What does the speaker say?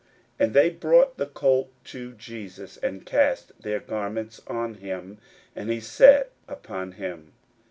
41:011:007 And they brought the colt to Jesus, and cast their garments on him; and he sat upon him.